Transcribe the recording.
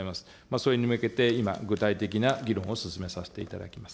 それに向けて、今、具体的な議論を進めさせていただきます。